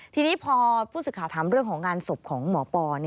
ทีนี้พอผู้สื่อข่าวถามเรื่องของงานศพของหมอปอ